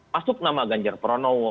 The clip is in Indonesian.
masuk nama ganjar pranowo